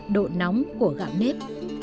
độ nóng của gạo nếp